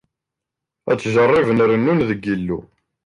Ttjeṛṛiben rennun deg Yillu.